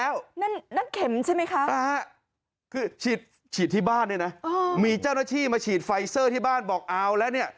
ว่าฉีดไฟเซอร์แล้วเนี่ย